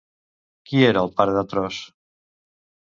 Qui era el pare de Tros?